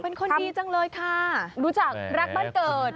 เป็นคนดีจังเลยค่ะรู้จักรักบ้านเกิด